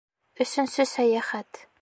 ӨСӨНСӨ СӘЙӘХӘТ